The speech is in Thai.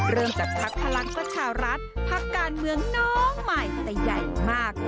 เริ่มจากภักดิ์พลังประชารัฐพักการเมืองน้องใหม่แต่ใหญ่มาก